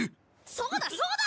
そうだそうだ！